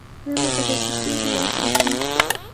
آیا متخصصین هیواد پریږدي؟